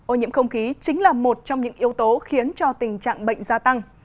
ô nhiễm không khí chính là một trong những yếu tố khiến cho tình trạng bệnh gia tăng